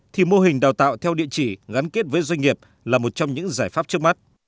thì mô hình đào tạo theo địa chỉ gắn kết với doanh nghiệp là một trong những giải pháp trước mắt